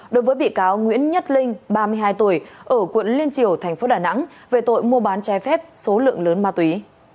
đối với bị cáo nguyễn nhật linh ba mươi hai tuổi ở quận liên triều thành phố đà nẵng về tội mua bán trái phép số lượng lớn ma túy